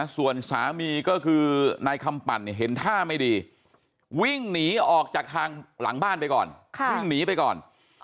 ส่วนสามีก็คือในคำปั่นเห็นท่าไม่ดีวิ่งหนีออกจากทางหลังบ้านไปก่อน